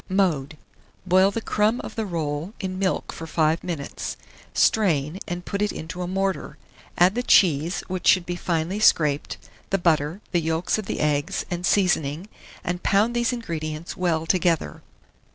Mode. Boil the crumb of the roll in milk for 5 minutes; strain, and put it into a mortar; add the cheese, which should be finely scraped, the butter, the yolks of the eggs, and seasoning, and pound these ingredients well together.